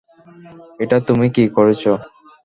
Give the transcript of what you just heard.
এটা তুমি কি করেছ?